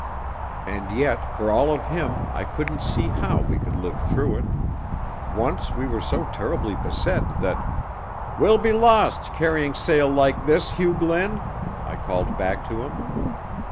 And yet for all of him I couldn't see how we could live through it. Once we were so terribly beset that, "We'll be lost carrying sail like this, Hugh Glynn!" I called back to him.